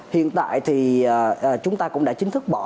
hiện tại thì chúng ta cũng đã chính thức bỏ